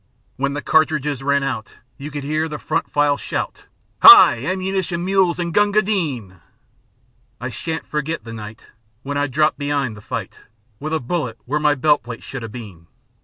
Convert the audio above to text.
When the cartridges ran out, You could hear the front files shout, "Hi! ammunition mules an' Gunga Din!" I shan't forgit the night When I dropped be'ind the fight With a bullet where my belt plate should 'a' been.